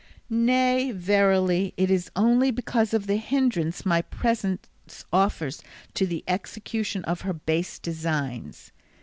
Nay verily, it is only because of the hindrance my presence offers to the execution of her base designs.